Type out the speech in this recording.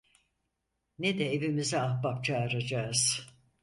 Ne de evimize ahbap çağıracağız…